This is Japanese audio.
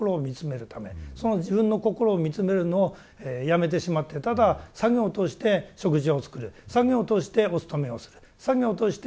その自分の心を見つめるのをやめてしまってただ作業として食事を作る作業としてお勤めをする作業として掃除をする。